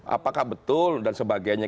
apakah betul dan sebagainya